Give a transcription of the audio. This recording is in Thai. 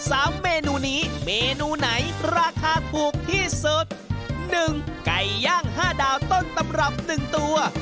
สามเมนูนี้เมนูไหนราคาถูกที่สุดหนึ่งไก่ย่างห้าดาวต้นตำรับหนึ่งตัว